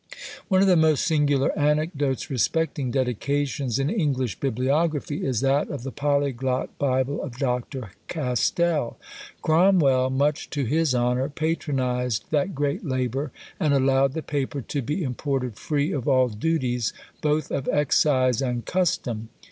One of the most singular anecdotes respecting DEDICATIONS in English bibliography is that of the Polyglot Bible of Dr. Castell. Cromwell, much to his honour, patronized that great labour, and allowed the paper to be imported free of all duties, both of excise and custom.